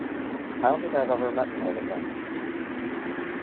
I don't think I've ever met an older friend.